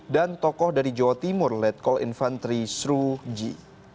dan tokoh dari jawa timur letkol infantri sruji